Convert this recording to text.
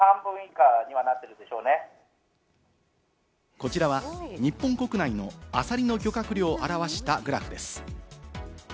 こちらは日本国内のアサリの漁獲量を表したグラフです。